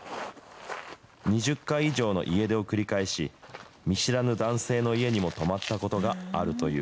２０回以上の家出を繰り返し、見知らぬ男性の家にも泊まったことがあるという。